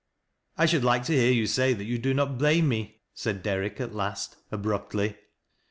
" I should like to hear you say that you do not blaiat me," said Derrick, at last, abruptly.